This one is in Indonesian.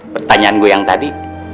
pertanyaan gua yang tadi